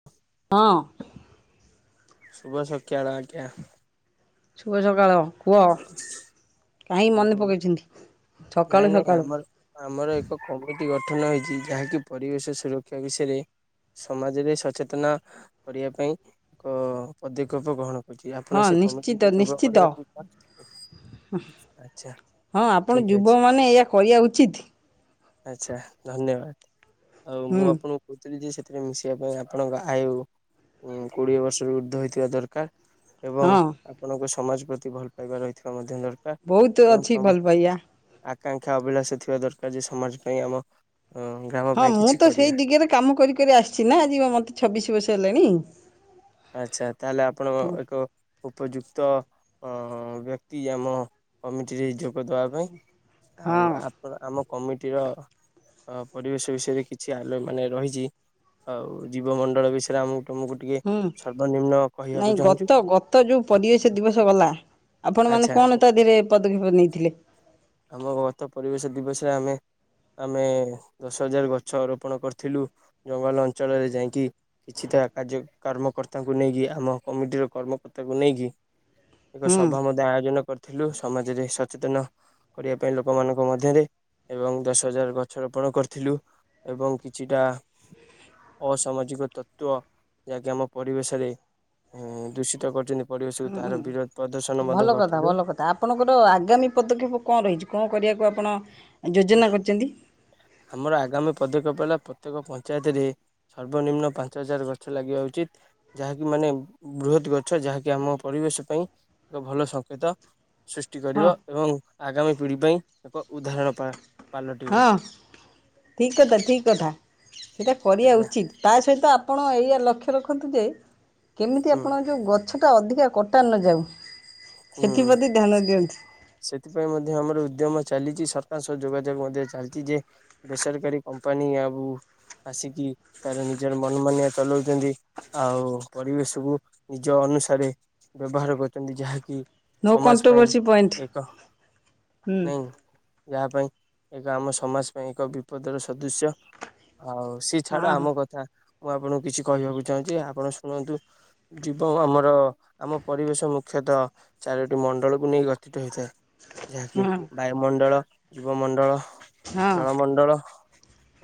[inaudible] ହଁ। ଶୁଭ ସକ୍ୟାଳ ଆଜ୍ଞା ଶୁଭ ସକାଳ କୁହ କାହିଁକି ମନେ ପକେଇଛନ୍ତି? ନାଇଁ ସକାଳୁ ନାଇଁ ସକାଳୁ ଆମର ଆମର ଏକ କମିଟି ଗଠନ ହେଇଛି, ଯାହାକି ପରିବେଶ ସୁରକ୍ଷା ବିଷୟରେ। ସମାଜରେ ସଚେତନ କରିବା ପାଇଁ ଏକ ପଦକ୍ଷେପ ଗ୍ରହଣ - - କିଏ ଆପଣ ହଁ ସେ ନିଶ୍ଚିତ କମିଟିରେ ଯୋଗ ନିଶ୍ଚିତ କରିବାକୁ ଚାହୁଁଛନ୍ତି? ଆଚ୍ଛା ହଁ ଆପଣ ଯୁବ ମାନେ ଏଇଆ କରିଆ ଉଚିତ୍। ଆଛା ଧନ୍ୟବାଦ। ଆଉ ହୁଁ ମୁଁ ଆପଣଙ୍କୁ କହୁଥିଲି ଯେ, ସେଥିରେ ମିଶିବା ପାଇଁ ଆପଣଙ୍କ ଆୟୁ ଉଁ କୋଡିଏ ବର୍ଷରୁ ଊର୍ଦ୍ଧ୍ୱ ହେଇଥିବା ଦରକାର। ଏବଂ ହଁ ଆପଣଙ୍କୁ ସମାଜ ପ୍ରତି ଭଲ ପାଇବା ରହିଥିବା ମଧ୍ୟ ଦରକାର। ବହୁତ ଏବଂ ଅଛି ତମ ଭଲ ପାଇବା ଆକାଂକ୍ଷା ଅଭିଳାଷ ଥିବା ଦରକାର ଯେ ସମାଜ ପାଇଁ ଆମ ଅଁ ହଁ ମୁଁ ତ ସେଇ ଦିଗେରେ କାମ କରି କରି ଆସିଛି ନା ଆଜି ବ ମୋତେ ଛବିଶ ବର୍ଷ ହେଲାଣି। ଆଚ୍ଛା ତାହେଲେ ଆପଣ ଏକ ଉପଯୁକ୍ତ ଅ ବ୍ୟକ୍ତି ଆମ କମିଟିରେ ଯୋଗ ଯୋଗଦେବା ପାଇଁ ଆଉ ହଁ ଆପଣ ଆମ କମିଟିର ଅ ପରିବେଶ ବିଷୟରେ କିଛି ଆଲୋ ମାନେ ରହିଛି ଆଉ ଜୀବମଣ୍ଡଳ ବିଷୟରେ ଆମକୁ ତମକୁ ଟିକେ ହୁଁ ସର୍ବନିମ୍ନ କହିବାକୁ ନାଇଁ ଚାହୁଁଛୁ ଗତ ଗ ତ ଯୋଉ ପରିବେଶ ଦିବସ ଗଲା ଆପଣ ମାନେ ଆଚ୍ଛା କଣ ତା ଦେହରେ ପଦକ୍ଷେପ ନେଇଥିଲେ? ଆମ ଗତ ପରିବେଶ ଦିବସରେ ଆମେ ଆମେ ଦଶ ହଜାର ଗଛ ରୋପଣ କରିଥିଲୁ ଜଙ୍ଗଲ ଅଞ୍ଚଳରେ ଯାଇକି କିଛିଟା କାର୍ଯ୍ୟ କାର୍ମକର୍ତ୍ତାଙ୍କୁ ନେଇକି ଆମ କମିଟିର କର୍ମକର୍ତ୍ତାଙ୍କୁ ନେଇକି ଏକ ହୁଁ ସଭା ମଧ୍ୟ ଆୟୋଜନ କରିଥିଲୁ, ସମାଜରେ ସଚେତନ କରିବା ପାଇଁ ଲୋକମାନଙ୍କ ମଧ୍ୟରେ ଏବଂ ଦଶ ହଜାର ଗଛ ରୋପଣ କରିଥିଲୁ। ଏବଂ କିଛିଟା ଅସାମାଜିକ ତତ୍ତ୍ୱ ଯାହାକି ଆମ ପରିବେଶରେ ଏ ଦୂଷିତ କରିଛନ୍ତି ପରିବେଶକୁ ତାର ବିରୋଧ ପ୍ରଦର୍ଶନ ଭଲ ମଧ୍ୟ କଥା କରିଥିଲୁ। ଭଲ କଥା ଆପଣଙ୍କର ଆଗାମୀ ପଦକ୍ଷେପ କଣ ରହିଛି, କଣ କରିବାକୁ ଆପଣ ଯୋଜନା କରିଛନ୍ତି? ଆମର ଆଗାମୀ ପଦକ୍ଷେପ ହେଲା ପ୍ରତ୍ୟେକ ପଞ୍ଚାୟତରେ ସର୍ବନିମ୍ନ ପାଞ୍ଚ ହଜାର ଗଛ ଲାଗିବା ଉଚିତ୍। ଯାହାକି ମାନେ ବୃହତ ଗଛ ଯାହାକି ଆମ ପରିବେଶ ପାଇଁ ଏକ ଭଲ ସଂଙ୍କେତ। ସୃଷ୍ଟି ହଁ କରିବ ଏବଂ ଆଗାମୀ ପିଢ଼ି ପାଇଁ ଏକ ଉଦାହରଣ ପା ପାଲଟିବ ହଁ ଠିକ କଥା, ଠିକ କଥା ସେଇଟା କରିବା ଆଜ୍ଞା। ଉଚିତ। ତା ସହିତ ଆପଣ ଏଇଆା ଲକ୍ଷ୍ୟ ରଖନ୍ତୁ ଯେ କେମିତି ହୁଁ ଆପଣ ଯୋଉ ଗ ଗଛଟା ଅଧିକା କଟା ନ ଯାଉ। ହୁଁ। ସେଥିପାଇଁ ମଧ୍ୟ ଆମର ଉଦ୍ୟମ ଚାଲିଛି ସରକାରଙ୍କ ସହ ଯୋଗାଯୋଗ ମଧ୍ୟ ଚାଲିଛି ଯେ ବେସରକାରୀ କମ୍ପାନୀ ଆଉ ଆସିକି ତାର ନିଜର ମନ ମାନିଆ ଚଲାଉଛନ୍ତି। ଆଉ ପରିବେଶକୁୁ ନିଜ ଅନୁସାରେ ବ୍ୟବହାର କରୁଛନ୍ତି ଯାହାକି ନୋ ସମାଜ ପାଇଁ କଣ୍ଟ୍ରୋଭର୍ସି ପଏଣ୍ଟ ଏକ ହୁଁ। ନାଇଁ ଯାହା ପାଇଁ ଏକ ଆମ ସମାଜ ପାଇଁ ଏକ ବିପଦର ସଦୃସ୍ୟ। ଆଉ ସେ ଛାଡ଼ ହଁ ହଁ ଆମ କଥା ମୁଁ ଆପଣଙ୍କୁ କିଛି କହିବାକୁ ଚାହୁଁଛି ଆପଣ ଶୁଣନ୍ତୁ। ଜୀବ ଆମର ଆମ ପରିବେଶ ମୁଖ୍ୟତଃ ଚାରୋଟି ମଣ୍ଡଳକୁ ନେଇ ଗଠିତ ହେଇଥାଏ, ଯାହାକି ହଁ। ବାୟୁମଣ୍ଡଳ, ଜୀବମଣ୍ଡଳ, ହଁ ଜଳମଣ୍ଡଳ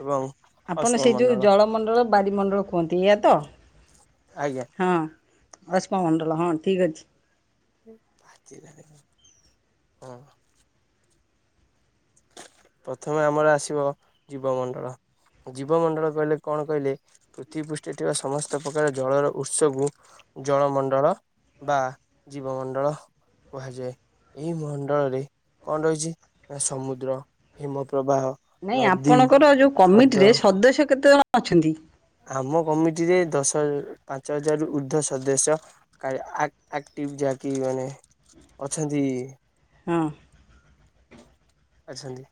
ଏବଂ ଆପଣ ସେଇ ଯୋଉ ଅଶ୍ମମଣ୍ଡଳ ଜଳମଣ୍ଡଳ, ବାରିମଣ୍ଡଳ କୁହନ୍ତି ଏୟା ତ? ଆଜ୍ଞା। ହଁ ଅଶ୍ମମଣ୍ଡଲ ହଁ ଠିକ ଅଛି। ବାଜି ଲାନି ହଁ। ପ୍ରଥମେ ଆମର ଆସିବ ଜୀବମଣ୍ଡଳ। ଜୀବମଣ୍ଡଳ କହିଲେ କଣ କହିଲେ ପୃଥିବୀ ପୃଷ୍ଠରେ ଥିବା ସମସ୍ତ ପ୍ରକାର ଜଳର ଉତ୍ସକୁ ଜଳମଣ୍ଡଳ ବା ଜୀବମଣ୍ଡଳ କୁହାଯାଏ, ଏହି ମଣ୍ଡଳରେ କଣ ରହିଛି ନା ସମୁ ଦ୍ର ହିମପ୍ରବାହ। ନାଇଁ ନଦୀ, ଆପଣଙ୍କର ଯୋଉ ହ୍ରଦ କମିଟିରେ ସଦସ୍ୟ କେତେ ଜଣ ଅଛନ୍ତି? ଆମ କମିଟି ରେ ଦଶ ହଜ ପାଞ୍ଚ ହଜାର ର ଉର୍ଦ୍ଧ୍ୱ ସଦସ୍ୟ ଆକ୍ -ଆକ୍ଟିଭ ଯାହାକି ମାନେ ଅଛନ୍ତି। ହଁ। ଅଛନ୍ତି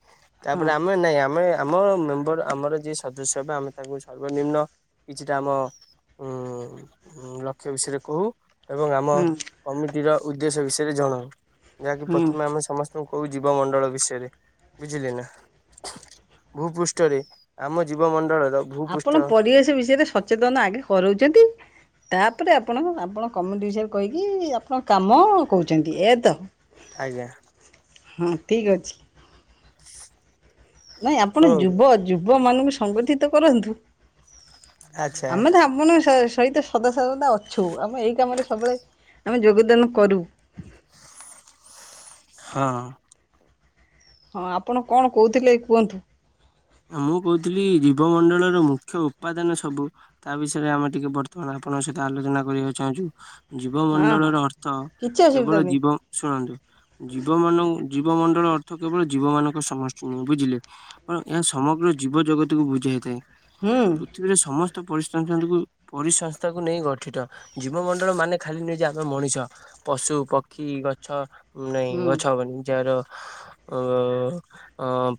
ହଁ ତାପରେ ଆମେ ନାଇଁ ଆମେ ଆମ ମେମ୍ବର ଆମର ଯିଏ ସଦସ୍ୟ ହେବେ ଆମେ ତାଙ୍କୁ ସର୍ବନିମ୍ନ କିଛିଟା ଆମ ଉଁ ଲକ୍ଷ୍ୟ ବିଷୟରେ କହୁ। ଏବଂ ଆମ ହୁଁ କମିଟିର ଉଦ୍ଦେଶ୍ୟ ବିଷୟରେ ଜଣାଉ, ଯାହାକି ହୁଁ। ପ୍ରଥମେ ଆମେ ସମସ୍ତେ ତୁ କୋଉ ଜୀବ ମଣ୍ଡଳ ବିଷୟ ବୁଝିଲେ ନା? ଭୂ ପୃଷ୍ଠରେ ଆମ ଜୀବ ମଣ୍ଡଳର ଆପଣ ପରିବେଶ ବିଷୟରେ ସଚେତନ ଆଗେ କରାଉଛନ୍ତି। ତାପରେ ଆପଣ ଆପଣ କମିଟି ବିଷୟରେ କହିକି ଆପଣ କାମ କହୁଛନ୍ତି, ଏୟା ତ? ଆଜ୍ଞା। ହଁ ଠିକ ଅଛି। ନାଇଁ ଆପଣ ଶୁଣନ୍ତୁ ଯୁବ, ଯୁବ ମାନଙ୍କୁ ସଂଗଠିତ କରନ୍ତୁ। ଆଚ୍ଛା। ଆମେ ତ ଆପଣଙ୍କ ସହିତ ସଦା ସର୍ବଦା ଅଛୁ, ଆମେ ଏଇ କାମରେ ସବୁବେଳେ ଆମେ ଯୋଗଦାନ କରୁ। ହଁ ଅଁ ହଁ, ଆପଣ କଣ କହୁଥିଲେ କୁହନ୍ତୁ? ମୁଁ କହୁଥିଲି ଜୀବମଣ୍ଡଳର ମୁଖ୍ୟ ଉପାଦାନ ସବୁ ତା ବିଷୟରେ ଆମେ ଟିକେ ବର୍ତ୍ତମାନ ଆପଣଙ୍କ ସହିତ ଆଲୋଚନା କରିବାକୁ ଚାହୁଁଛୁ। ଜୀବ ହଁ ହଁ। ମଣ୍ଡଳର ଅର୍ଥ କିଛି ଅସୁବିଧା -କେବଳ ନାହିଁ ଜୀବ ଶୁଣନ୍ତୁ? ଜୀବ ମ ଜୀବମଣ୍ଡଳ ଅର୍ଥ କେବଳ ଜୀବ ମାନଙ୍କ ସମଷ୍ଟି ନୁହେଁ, ବୁଝିଲେ। ଏହା ସମଗ୍ର ଜୀବଜଗତକୁ ବୁଝାଇଥାଏ। ହଁ ଅ ପରେ ସମସ୍ତ ପରିସଂ ପରିସଂସ୍ଥାକୁ ନେଇ ଗଠିତ। ଜୀବ ମଣ୍ଡଳ ମାନେ ଖାଲି ନୁହେଁ ଯେ -ଆମ ମଣିଷ, ପଶୁ, ପକ୍ଷୀ ଗ ଗ ନହି ହୁଁ। ଗଛ ଯାହାର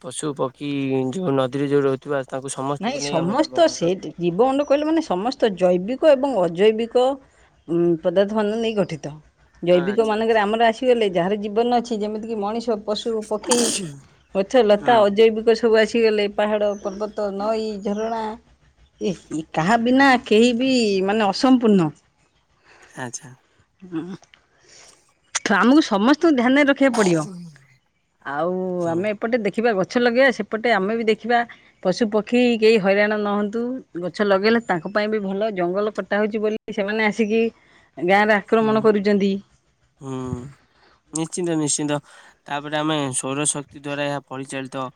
ପଶୁ ପକ୍ଷୀ କି ଯୋଉ ନଦୀରେ ଯୋଉ ରହୁଥିବା ତାଙ୍କୁ ସମସ୍ତଙ୍କୁ ନେଇ ଆମ ଜୀବମଣ୍ଡଳ। ଜୀବଣ୍ଡ କହିଲେ ମାନେ ସମସ୍ତ ଜୈବିକ ଏବଂ ଅଜୈବିକ ପଦାର୍ଥମାନ ନେଇ ଗଠିତ। ହଁ ଜୈବିକ ଆଚ୍ଛା ମାନଙ୍କରେ ଆଚ୍ଛା ଆମର ଆସିଗଲେ ଯାହାର ଜୀବନ ଅଛି, ଯେମିତିକି ମଣିଷ। ପଶୁ, ପକ୍ଷୀ, ଗଛ ହଁ ଲତା। ଅଜୈବିକ ସବୁ ଆସିଗଲେ ପାହାଡ଼, ପର୍ବତ ତ ନଇ, ଝର କାହା ବିନା କେହି ବି ମାନେ ଅସମ୍ପୂର୍ଣ୍ଣ। ଆଛା। ହ ଆମକୁ ସମସ୍ତଙ୍କୁ ଧ୍ୟାନରେ ରଖିବାକୁ ପଡିବ, ଆଉ ହୁଁ ଆମେ ସେପଟେ ଦେଖିବା ଗଛ ଲଗେଇବା, ସେପଟେ ଆମେ ବି ଦେଖିବା ପଶୁ ପକ୍ଷୀ କେହି ହଇରାଣ ନହନ୍ତୁ, ଗଛ ଲଗେଇଲେ ତାଙ୍କ ପାଇଁ ବି ଭଲଦ, ଜଙ୍ଗଲ କଟା ହେଉଛି ବୋଲି ସେମାନେ ଆସିକି ଗାଁରେ ହୁଁ ଆକ୍ରମଣ କରୁଛନ୍ତି। ହୁଁ ନିଶ୍ଚିନ୍ତ ନିଶ୍ଚିନ୍ତ। ତାପରେ ଆମେ ସୌର ଶକ୍ତି ଦ୍ଵାରା ଏହା ପରିଚାଳିତ।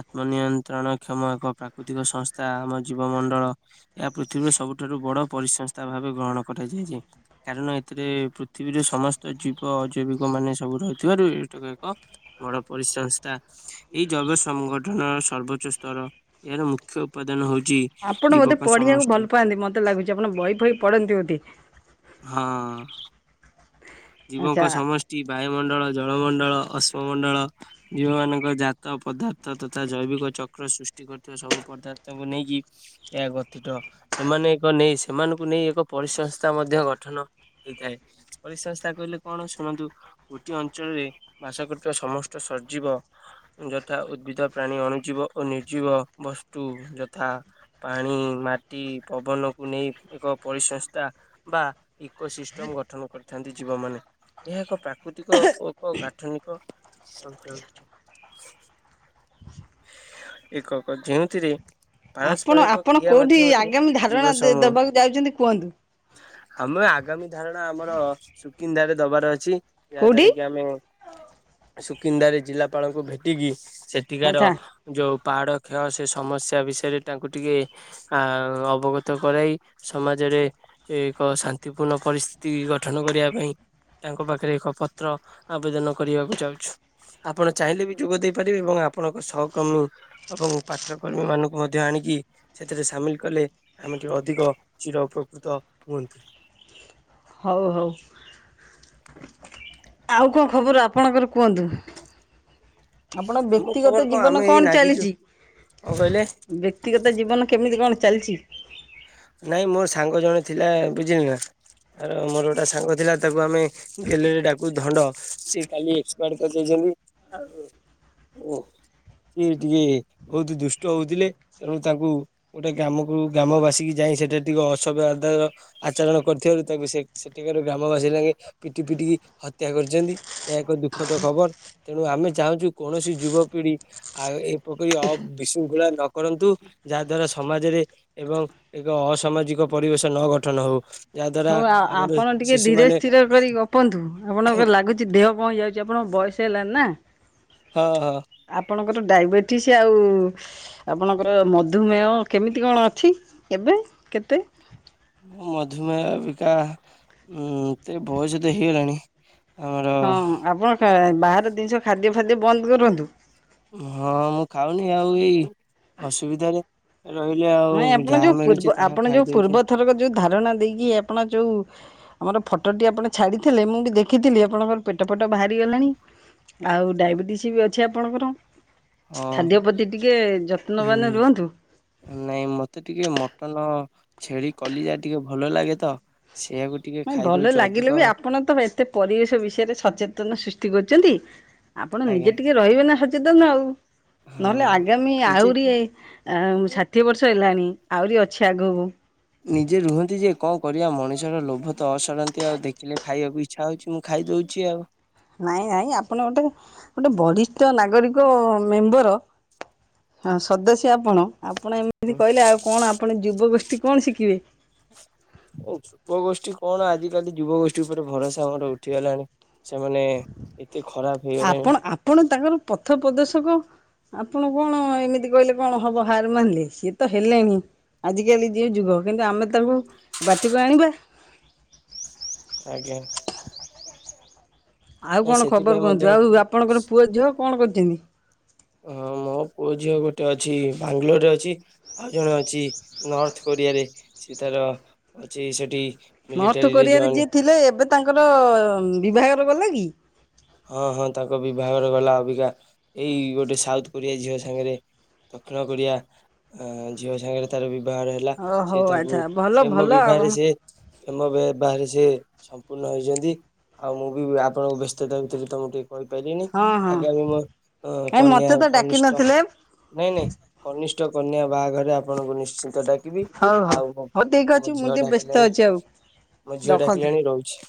ଆତ୍ମନିୟନ୍ତ୍ରଣ କ୍ଷମ ଏକ ପ୍ରାକୃତିକ ସଂସ୍ଥା, ଆମ ଜୀବମଣ୍ଡଳ ଏହା ପୃଥିବୀର ସବୁଠାରୁ ବଡ ପରିସଂସ୍ଥା ଭାବେ ଗ୍ରହଣ କରାଯାଇଛି। କାରଣ ଏଥିରେ ପୃଥିବୀର ସମସ୍ତ ଜୀବ ଅଜୈବିକ ମାନେ ସବୁ ରହିଥିବାରୁ ଏଇଟାକ ଏକ। ବଡ ପରିସଂସ୍ଥା ଏଇ ଜୈବ ସଂଗଠନର ସର୍ବୋଚ୍ଚ ସ୍ତର। ଏହାର ମୁଖ୍ୟ ଉପାଦାନ ହଉଛି ଆପଣ ବୋଧେ ଜୀବକ ପଢିବାକୁ ସମଷ୍ଟି ଭଲ ପାଆନ୍ତି, ମତେ ଲାଗୁଛି, ଆପଣ ବହି ବହି ପଢନ୍ତି ବୋଧେ। ହଁ ଅ ଆଚ୍ଛା ଜୀବଙ୍କ ସମଷ୍ଟି ବାୟୁମଣ୍ଡଳ, ଜଳମଣ୍ଡଳ, ଅଶ୍ମମଣ୍ଡଳ ଜୀବ ମାନଙ୍କର ଜାତ ପଦାର୍ଥ ତଥା ଜୈବିକ ଚକ୍ର ସୃଷ୍ଟି କରୁଥିବା ସବୁ ପଦାର୍ଥ କୁ ନେଇକି? ଏହା ଗତିିତ, ସେମାନେ ଏକ ନେଇ ସେମାନଙ୍କୁ ନେଇ ଏକ ପରିସଂସ୍ଥା ମଧ୍ୟ ଗଠନ ହେଇଥାଏ, ଓଡ଼ିଶା ତା କହିଲେ କଣ ଶୁଣନ୍ତୁ, ଗୋଟିଏ ଅଞ୍ଚଳରେ ବାସ କରୁଥିବା ସମସ୍ତ ସଜୀବ ଯଥା ଉଦ୍ଭିଦ ପ୍ରାଣୀ ଅଣୁଜୀବ ଓ ନିର୍ଜୀବ ବସ୍ତୁ ଯଥା ପାଣି ମାଟି ପବନକୁ ନେଇ ଏକ ପରିସଂସ୍ଥା ବା ଇକୋ ସିଷ୍ଟମ ଗଠନ କରିଥାନ୍ତି ଜୀବ ମାନେ ଏହା ଏକ ପ୍ରାକୃତିକ ଉପ ପ୍ରାଥମିକ ସଂଖଳ ଏକକ ଯେଉଁଥିରେ ଆପଣ ପାରସ୍ପରିକ ଆପଣ କ୍ରିୟା କେଉଁଠି ମାଧ୍ୟମରେ ଆଗାମୀ ଧାରଣା ଜୀବ ସମୂହ ଦେବାକୁ ଯାଉଛନ୍ତି କୁହନ୍ତୁ ଆମେ ଆଗାମୀ ଧାରଣା ଆମର ସୁକିନ୍ଦାରେ ଦବାର ଅଛି ଯାହା କେଉଁଠି ଦ୍ଵାରା କି ଆମେ ସୁକିନ୍ଦାରେ ଜିଲ୍ଲାପାଳଙ୍କୁ ଭେଟିକି ସେଠିକାର ଆଚ୍ଛା ଯଉ ପାହାଡ଼ କ୍ଷୟ ସେ ସମସ୍ୟା ବିଷୟରେ ତାଙ୍କୁ ଟିକେ ଆ ଅବଗତ କରାଇ ସମାଜରେ ଏକ ଶାନ୍ତିପୂର୍ଣ୍ଣ ପରିସ୍ଥିତି ଗଠନ କରିବା ପାଇଁ, ତାଙ୍କ ପାଖରେ ଏକ ପତ୍ର ଆବେଦନ କରିବାକୁ ଯାଉଛୁ। ଆପଣ ଚାହିଁଲେ ବି ଯୋଗ ଦେଇପାରିବେ ଏବଂ ଆପଣଙ୍କ ସହକର୍ମୀ ଏବଂ ପାଠ୍ୟକର୍ମୀ ମାନଙ୍କୁ ମଧ୍ୟ ଆଣିକି ସେଥିରେ ସାମିଲ କଲେ ଆମେ ଟିକେ ଅଧିକ ଚିର ଉପକୃତ ହୁଅନ୍ତୁ। ହଉ ହଉ। ଆଉ କଣ ଖବର ଆପଣଙ୍କର କୁହନ୍ତୁ। ଆପଣ ଆମ ଖବର ବ୍ୟକ୍ତିଗତ ଆମେ ଜୀବନ ଏଇ କଣ ନାଗିଛୁ ଚାଲିଛି? କଣ କହିଲେ ବ୍ୟକ୍ତିଗତ ଜୀବନ କେମିତି କଣ ଚାଲିଛି? ନାଇଁ ମୋର ସାଙ୍ଗ ଜଣେ ଥିଲା ବୁଝିଲି ନା ତର ମୋର ଗୋଟେ ସାଙ୍ଗ ଥିଲା ତାକୁ ଆମେ ଗେଲେରେ ଡାକୁ ଧଣ୍ଡ ସେ କାଲି ଏକ୍ସପାଡ କରିଯାଇଛନ୍ତି। ଆଉ ଓ। ସିଏ ଟିକେ ବହୁତ ଦୁଷ୍ଟ ହଉଥିଲେ ତେଣୁ ତାଙ୍କୁ ଗୋଟେ ଗ୍ରାମକୁ ଗ୍ରାମ ବାସି ଯାଇ ସେଟା ଟିକେ ଅସଭ୍ୟ ଆଧାର ଆଚରଣ କରିଥିବାରୁ ତାଙ୍କୁ ସେ ସେଠିକାର ଗ୍ରାମବାସୀ ଲାଗେ ପିଟି ପିଟିକି ହତ୍ୟା କରିଛନ୍ତି। ଏହା ଏକ ଦୁଃଖଦ ଖବର। ତେଣୁ ଆମେ ଚାହୁଁଛୁ କୌଣସି ଯୁବପିଢି ଆଉ ଏ ପରି ଅ ବିଶୃଙ୍ଖଳା ନ କରନ୍ତୁ ଯାହା ଦ୍ୱାରା ସମାଜରେ ଏବଂ ଏକ ଅସାମାଜିକ ପରିବେଶ ନ ଗଠନ ହଉ। ଯାହା ଦ୍ଵାରା ହଉ ଆଉ ଆମର ଆପଣ ଟିକେ ଶିଶୁ ଧୀରେ ମାନେ ସ୍ଥିରେ କରି ଗପନ୍ତୁ ଆପଣଙ୍କ ଲାଗୁଛି ଦେହ କଣ ହେଇଯାଉଛି ଆପଣଙ୍କ ବୟସ ହେଲାଣି ନା। ହ ଅ ଆପଣଙ୍କର ଡାଇବେଟିସ୍ ଆଉ ଆପଣଙ୍କର ମଧୁମେହ କେମିତି କଣ ଅଛି ଏବେ କେତେ? ମଧୁମେହ ଅବିକା ଏତେ ବୟସ ତ ହେଇଗଲାଣି ଆମର ହଁ ଆପଣ କା ବାହାରର ଜିନିଷ ଖାଦ୍ୟ ଫାଦ୍ୟ ବନ୍ଦ କରନ୍ତୁ। ହଁ ମୁଁ ଖାଉନି ଆଉ ଏଇ ଅସୁବିଧାରେ ରହିଲେ ଆଉ ଯାହା ମିଳୁଛି ତାହା ଖାଇଦଉଛି। ଥରକ ଯୋଉ ଧାରଣା ଦେଇକି ଆପଣ ଯୋଉ ଆମର ଫଟୋଟି ଆପଣ ଛାଡିଥିଲେ ମୁଁ ବି ଦେଖିଥିଲି ଆପଣଙ୍କର ପେଟ ଫେଟ ବାହାରିଗଲାଣି। ଆଉ ଡାଇବେଟିସ୍ ବି ଅଛି ଆପଣଙ୍କର ହଁ ଖାଦ୍ୟ ପ୍ରତି ଟିକେ ଯତ୍ନବାନ ହୁଁ। ରୁହନ୍ତୁ। ନାଇଁ ମତେ ଟିକେ ମଟନ ଛେଳି କଲିଜା ଟିକେ ଭଲ ଲାଗେ ତ ସେଇଆ କୁ ନାଇଁ ଭଲ ଲାଗିଲେ ବି ଆ ଆପଣ ତ ଏତେ ପରିବେଶ ବିଷୟରେ ସଚେତନ ସୃଷ୍ଟି କରୁଛନ୍ତି ଆପଣ ଆଜ୍ଞା ନିଜେ ଟିକେ ରହିବେ ନା ସଚେତନ ଆଉ। ନହେଲେ ହଁ। ଆଗାମୀ ନିଜେ ଆହୁରି ଆଁ ଷାଠିଏ ବର୍ଷ ହେଲାଣି ଆହୁରି ଅଛି ଆଗକୁ। ନିଜେ ରୁହନ୍ତି ଯେ କଣ କରିବା ମଣିଷର ଲୋଭ ତ ଅସରନ୍ତି ଆଉ ଦେଖିଲେ ଖାଇବାକୁ ଇ ଛା ହଉଛି ମୁଁ ଖାଇଦଉଛି ଆଉ। ନାଇଁ ନାଇଁ ଆପଣ ଗୋଟେ ଗୋଟେ ବରିଷ୍ଠ ନାଗରିକ ମେମ୍ବର ହଁ ସଦସ୍ୟ ଆପଣ ଆପଣ ଏମିତି ଏ କହିଲେ ଆଉ କଣ ଆପଣ ଯୁବ ଗୋଷ୍ଠୀ କଣ ଶିଖିବେ। ଓ ଯୁବ ଗୋଷ୍ଠୀ କଣ ଆଜିକାଲି ଯୁବ ଗୋଷ୍ଠୀ ଉପରେ ଭରଷା ଆମର ଉଠିଗଲାଣି। ସେମାନେ ଏତେ ଖରାପ ଆପଣ ହେଇଗଲେଣି। ଆପଣ ତାଙ୍କର ପଥ ପ୍ରଦର୍ଶକ। ଆପଣ କଣ ଏମିତି କହିଲେ କଣ ହବ ହାର ମାନିଲେ ସିଏ ତ ହେଲେଣି। ଆଜିକାଲି ଯେଉ ଯୁଗ କିନ୍ତୁ ଆମେ ତାଙ୍କୁ ବାଟିକୁ ଆଣିବା। ଆଜ୍ଞା। ଆଉ ନାଇଁ କଣ ସେଥିପାଇଁ ଖବର ମଧ୍ୟ କୁହନ୍ତୁ ଆଉ ଆପଣଙ୍କର ପୁଅ ଝିଅ କଣ କରୁଚନ୍ତି? ହଁ ମୋ ପୁଅ ଝିଅ ଗୋଟେ ଅଛି ବାଙ୍ଗାଲୋରରେ ଅଛି। ଆଉ ଜଣେ ଅଛି ନର୍ଥ କୋରିଆରେ ସିଏ ତାର ଅଛି ସେଠି ନର୍ଥ ମିଲିଟାରୀରେ କୋରିଆରେ ଜଏନ୍ ଯିଏ ଥିଲେ ଏବେ ତାଙ୍କର ବିବାହର ଗଲା କି? ହଁ ହଁ ତାଙ୍କ ବିବାଘର ଗଲା ଅବିକା ଏଇ ଗୋଟେ ସାଉଥ କୋରିଆ ଝିଅ ସାଙ୍ଗରେ। ଦକ୍ଷିଣ କୋରିଆ ଅ ଝିଅ ସାଙ୍ଗରେ। ତାର ବିବାହର ହେଲା ଓ ହଉ ସେ ତାକୁ ଆଚ୍ଛା ଭଲ ପ୍ରେମ ଭଲ ଆଉ ବିବାହରେ ସେ ପ୍ରେମ ବେବାହରେ ସେ ସମ୍ପୂର୍ଣ୍ଣ ହୋଇଚନ୍ତି। ଆଉ ମୁଁ ବି ଆପଣଙ୍କୁ ବ୍ୟସ୍ତତା ଭିତରେ ତ ମୁଁ ଟି କହିପାଇଲିନି ହଁ ହଁ। ଆଗା ମୁଁ ମୋ ଓ କାଇଁ ମତେ କନ୍ୟା ହେ ତ ଡାକି କନିଷ୍ଠ ନଥିଲେ ନାଇଁ ନାଇଁ କନିଷ୍ଠ କନ୍ୟା ବାହାଘରରେ ଆପଣଙ୍କୁ ନିଶ୍ଚିନ୍ତ ଡା କବି ହଉ ହଉ ଆଉ ହଉ ଠିକ ଅଛି ମୋ ମୁଁ ଝିଅ ଟିକେ ବ୍ୟସ୍ତ ଡାକିଲାଣି ଅଛି ଆଉ ମୋ ଝିଅ ରଖନ୍ତୁ। ଡାକିଲାଣି ରହୁଚି।